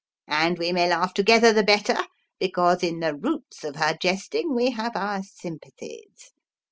And we may laugh together the better because, in the roots of her jesting, we have our sympathies.